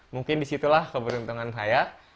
mungkin disitulah keberuntungan saya